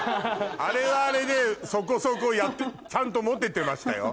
あれはあれでそこそこちゃんとモテてましたよ。